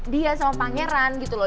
dia sama pangeran gitu loh